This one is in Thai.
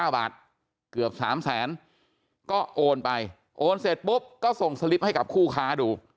เกือบ๓แสนก็โอนไปโอนเสร็จปุ๊บก็ส่งสลิปให้กับคู่ค้าดู